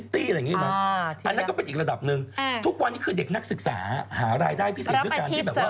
ถึงวันนี้คือเด็กนักศึกษาหารายได้พิษีด้วยการ